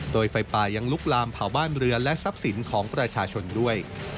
โดยไฟป่ายังลุกลามเผาบ้านเรือนและทรัพย์สินของประชาชนด้วย